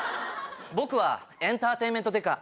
僕はエンターテイメントデカ